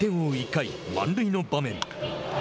１回、満塁の場面。